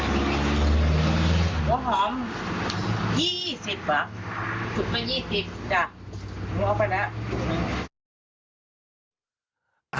หอม๒๐อ่ะสุดไป๒๐อ่ะนี่ออกไปแล้ว